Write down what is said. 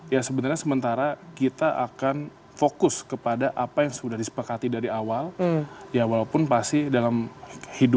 ya sebenarnya sementara kita akan fokus kepada apa yang sudah disepakati oleh anok